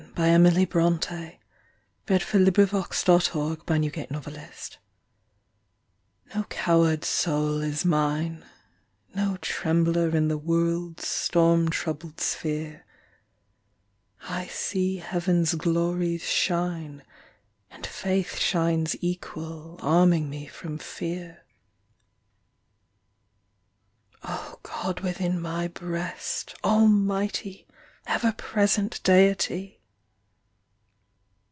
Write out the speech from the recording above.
The following are the last lines my sister Emily ever wrote: No coward soul is mine, No trembler in the world's storm troubled sphere: I see Heaven's glories shine, And faith shines equal, arming me from fear. O God within my breast, Almighty, ever present Deity!